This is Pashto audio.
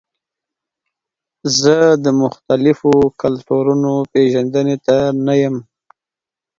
زه د مختلفو کلتورونو پیژندنې ته نه یم.